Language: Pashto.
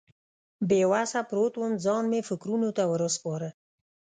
بې وسه پروت وم، ځان مې فکرونو ته ور وسپاره.